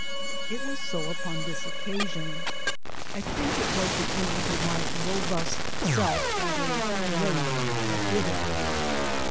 It was so upon this occasion. I think it was the image of my robust self as a wraith that did it.